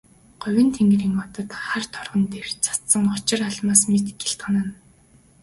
Говийн тэнгэрийн одод хар торгон дээр цацсан очир алмаас мэт гялтганан.